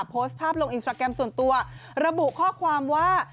โพสต์ภาพลงอินสตราแกรมส่วนตัวระบุข้อความว่า